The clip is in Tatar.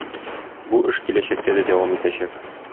Бу эш киләчәктә дә дәвам итәчәк.